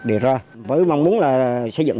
đều ra với mong muốn là xây dựng